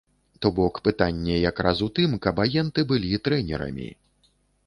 То бок, пытанне якраз у тым, каб агенты былі трэнерамі!